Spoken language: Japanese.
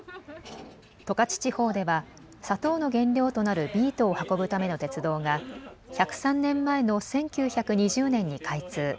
十勝地方では砂糖の原料となるビートを運ぶための鉄道が１０３年前の１９２０年に開通。